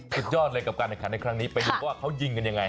สุดยอดเลยกับการแข่งขันในครั้งนี้ไปดูว่าเขายิงกันยังไง